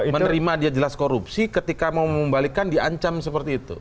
menerima dia jelas korupsi ketika mau membalikan diancam seperti itu